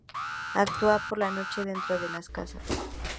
Actúa por la noche dentro de las casas.